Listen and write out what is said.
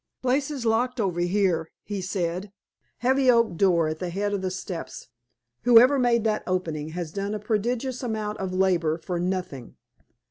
"Place is locked, over here," he said. "Heavy oak door at the head of the steps. Whoever made that opening has done a prodigious amount of labor for nothing."